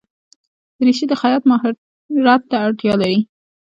دریشي د خیاط ماهرت ته اړتیا لري.